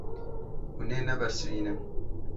Hûn ê nebersivînin.